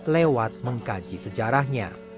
lewat mengkaji sejarahnya